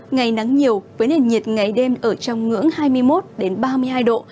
ngày nắng nhiều với nền nhiệt ngày đêm ở trong ngưỡng hai mươi một ba mươi hai độ